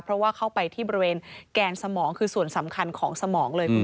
เพราะว่าเข้าไปที่บริเวณแกนสมองคือส่วนสำคัญของสมองเลย